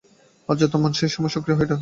অবচেতন মন সেই সময় সক্রিয় হয়ে ওঠে।